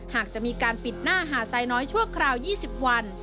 หากจะมีการปิดหน้าหาดไซน้อยชั่วคราว๒๐วัน